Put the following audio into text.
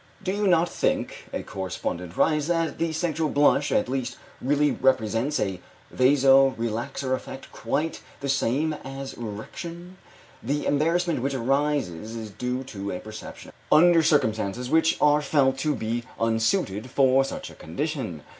"Do you not think," a correspondent writes, "that the sexual blush, at least, really represents a vaso relaxor effect quite the same as erection? The embarrassment which arises is due to a perception of this fact under circumstances which are felt to be unsuited for such a condition.